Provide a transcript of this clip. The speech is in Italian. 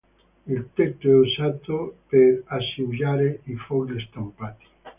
Il tetto è usato per asciugare i fogli stampati.